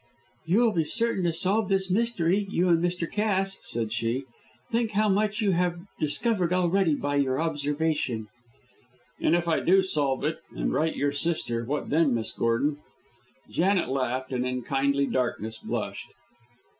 "You will be certain to solve this mystery you and Mr. Cass," said she. "Think how much you have discovered already by observation." "And if I do solve it, and right your sister, what then, Miss Gordon?" Janet laughed, and, in the kindly darkness, blushed.